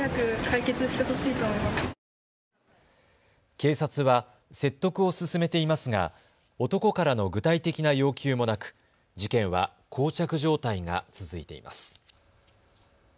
警察は説得を進めていますが男からの具体的な要求もなく事件はこう着状態が続いています。